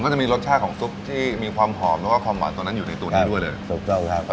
จะมีรสชาติของซุปที่มีความหอมแล้วก็ความหวานตัวนั้นอยู่ในตัวนี้ด้วยเลยถูกต้องครับ